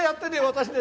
私ね